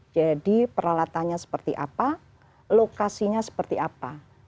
jadi peralatannya seperti apa lokasinya seperti apa